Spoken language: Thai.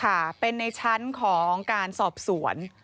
ค่ะเป็นในชั้นของการสอบสวน